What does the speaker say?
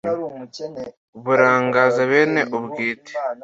Burangaza bene ubwite